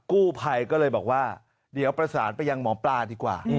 กู้ภัยก็เลยบอกว่าเดี๋ยวประสานไปยังหมอปลาดีกว่า